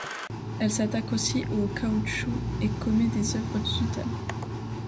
Elle s'attaque aussi au caoutchouc et commet des œuvres digitales.